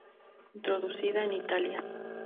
Introducida en Italia.